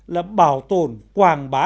là bảo tồn quàng bá